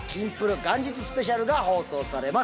元日スペシャルが放送されます。